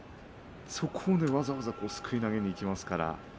そこをわざわざすくい投げにいきます。